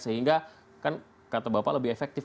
sehingga kan kata bapak lebih efektif